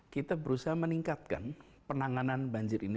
kita berusaha meningkatkan penanganan banjir ini